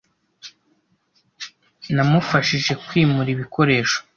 Namufashije kwimura ibikoresho.